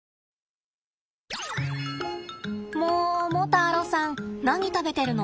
モモタロウさん何食べてるの？